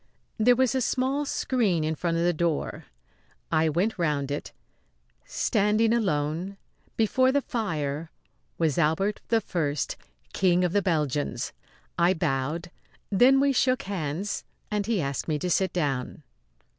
There was a small screen in front of the door. I went round it. Standing alone before the fire was Albert I, King of the Belgians. I bowed; then we shook hands and he asked me to sit down.